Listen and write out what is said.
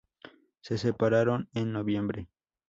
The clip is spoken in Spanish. Se separaron en noviembre.